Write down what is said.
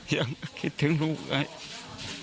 อยากเอาคิดถึงลูกมาเลย